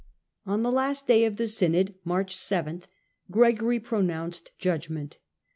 On the last day of the synod (March 7) Gregory pronounced judgment.